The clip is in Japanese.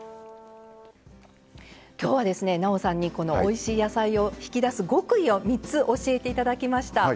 今日はですねなおさんにこのおいしい野菜を引き出す極意を３つ教えていただきました。